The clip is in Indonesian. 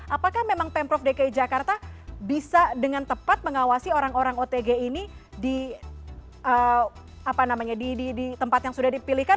apakah memang pemprov dki jakarta bisa dengan tepat mengawasi orang orang otg ini di tempat yang sudah dipilihkan